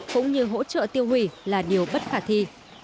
cũng như hỗ trợ tiêu hủy là điều bất khả thi